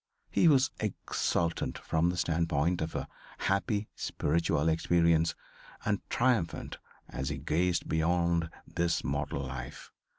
He was exultant from the standpoint of a happy spiritual experience and triumphant as he gazed beyond this mortal life.